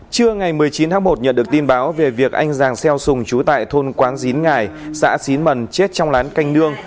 trưa ngày một mươi chín tháng một nhận được tin báo về việc anh giàng xeo sùng chú tại thôn quán dín ngài xã xín mần chết trong lán canh nương